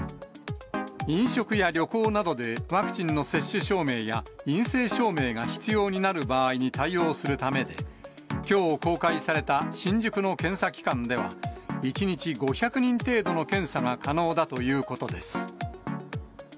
飲食や旅行などでワクチンの接種証明や陰性証明が必要になる場合に対応するためで、きょう、公開された新宿の検査機関では、１日５００人程度の検査が可能だということです。